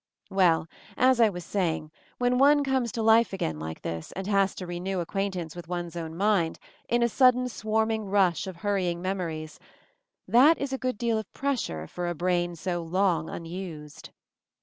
Well, as I was saying, when one comes to life again like this, and has to renew ac quaintance with one's own mind, in a sud den swarming rush of hurrying memories — that is a good deal of pressure for a brain so long unused.